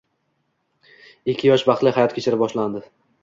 Ikki yosh baxtli hayot kechira boshladi